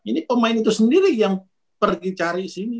ini pemain itu sendiri yang pergi cari sini